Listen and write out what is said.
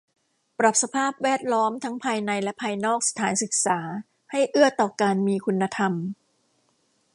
ปรับสภาพแวดล้อมทั้งภายในและภายนอกสถานศึกษาให้เอื้อต่อการมีคุณธรรม